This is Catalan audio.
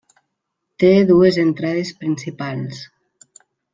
Té dues entrades principals.